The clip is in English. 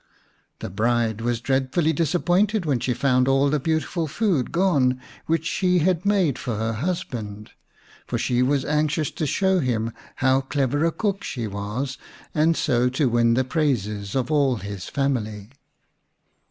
The bride was dreadfully disappointed when she found all the beautiful food gone which she had made for her husband, for she was anxious to show him how clever a cook she was, and so to win the praises of all his family.